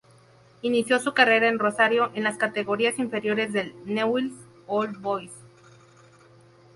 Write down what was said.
Inició su carrera en Rosario, en las categorías inferiores del Newell's Old Boys.